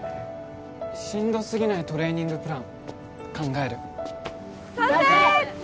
しんどすぎないトレーニングプラン考える賛成！